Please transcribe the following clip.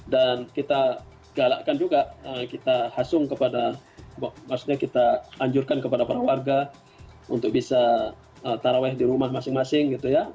dan kita galakkan juga kita hasung kepada maksudnya kita anjurkan kepada para warga untuk bisa terawet di rumah masing masing